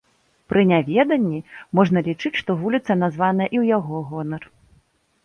Пры няведанні, можна лічыць, што вуліца названая і ў яго гонар.